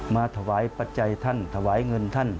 มาถวายปัจจัยท่านถวายเงินท่าน